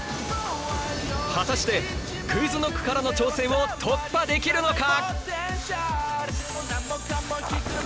果たしてＱｕｉｚＫｎｏｃｋからの挑戦を突破できるのか！？